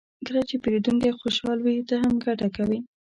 کله چې پیرودونکی خوشحال وي، ته هم ګټه کوې.